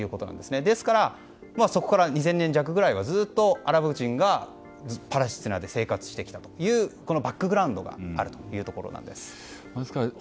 ですからそこから２０００年弱ぐらいはずっとアラブ人がパレスチナで生活してきたというバックグラウンドがあるところなんです。